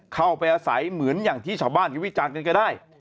เข้าไปอาศัยเหมือนอย่างที่ชาวบ้านวิจารณ์กันก็ได้